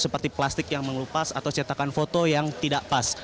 seperti plastik yang mengelupas atau cetakan foto yang tidak pas